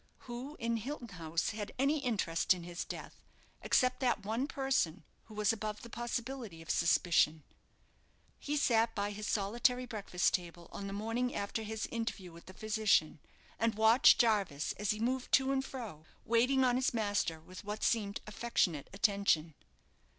Who in Hilton House had any interest in his death, except that one person who was above the possibility of suspicion? He sat by his solitary breakfast table on the morning after his interview with the physician, and watched Jarvis as he moved to and fro, waiting on his master with what seemed affectionate attention.